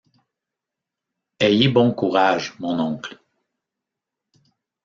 Ayez bon courage, mon oncle!